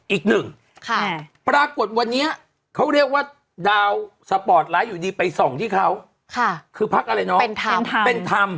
อีกหนึ่งปรากฏวันนี้เขาเรียกว่าดาวสปอร์ตไลท์อยู่ดีไปส่องที่เขาคือพักอะไรเนาะเป็นธรรม